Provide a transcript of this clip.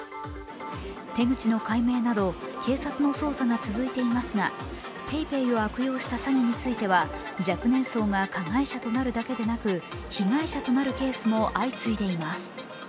手口の解明など警察の捜査が続いていますがＰａｙＰａｙを悪用した詐欺については若年層が加害者となるだけでなく、被害者となるケースも相次いでいます。